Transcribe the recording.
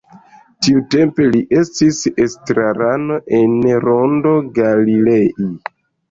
Tiutempe li estis estrarano en Rondo Galilei.